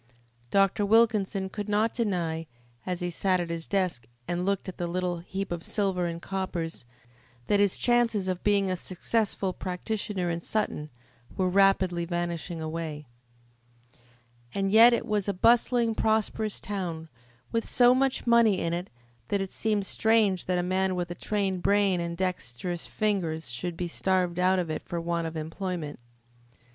Dr. Wilkinson could not deny, as he sat at his desk and looked at the little heap of silver and coppers, that his chances of being a successful practitioner in Sutton were rapidly vanishing away. And yet it was a bustling, prosperous town, with so much money in it that it seemed strange that a man with a trained brain and dexterous fingers should be starved out of it for want of employment.